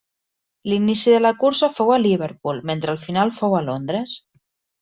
L'inici de la cursa fou a Liverpool, mentre el final fou a Londres.